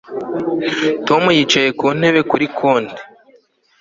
Tom yicaye ku ntebe kuri konti